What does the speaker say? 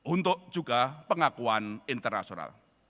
untuk juga pengakuan internasional